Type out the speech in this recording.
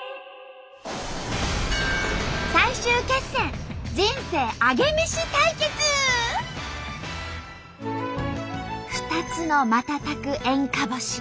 最終決戦２つの瞬く演歌星。